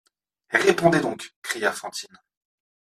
Répondez donc ! cria Fantine.